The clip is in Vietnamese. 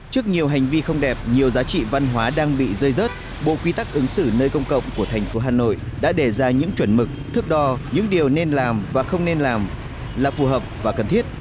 trước nhiều hành vi không đẹp nhiều giá trị văn hóa đang bị rơi rớt bộ quy tắc ứng xử nơi công cộng của thành phố hà nội đã đề ra những chuẩn mực thước đo những điều nên làm và không nên làm là phù hợp và cần thiết